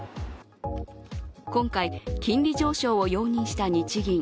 今回、金利上昇を容認した日銀。